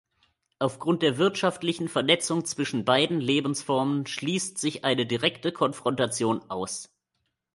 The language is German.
Aufgrund der wirtschaftlichen Vernetzung zwischen beiden Lebensformen schließt sich eine direkte Konfrontation aus.